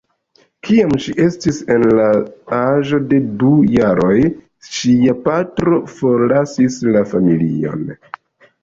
Kiam ŝi estis en la aĝo de du jaroj ŝia patro forlasis la familion.